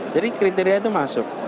jadi kriteria itu masuk